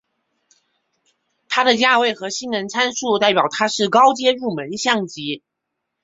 它的价位和性能参数代表它是高阶入门相机。